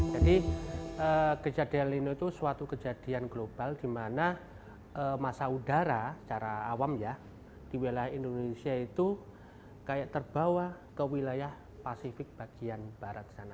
jadi kejadian el nino itu suatu kejadian global dimana masa udara secara awam ya di wilayah indonesia itu kayak terbawa ke wilayah pasifik bagian barat sana